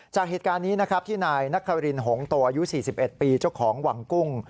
จากเหตุการณ์นี้ที่นายนักฮารินหงตัวอายุ๔๑ปีเจ้าของวังกุ้ง